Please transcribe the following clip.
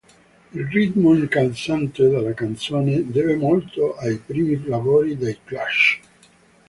Il ritmo incalzante della canzone deve molto ai primi lavori dei Clash.